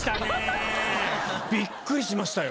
びっくりしましたよ。